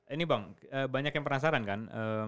ini bang banyak yang penasaran kan